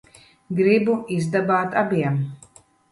Gribu izdabāt abiem.